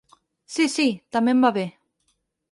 Si si, també em va bé.